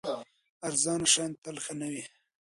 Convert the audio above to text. ارزانه شیان تل ښه نه وي.